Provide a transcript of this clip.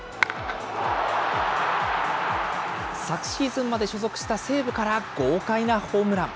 昨シーズンまで所属した西武から、豪快なホームラン。